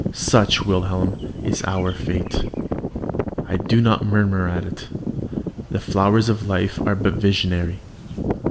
Such, Wilhelm, is our fate. I do not murmur at it: the flowers of life are but visionary.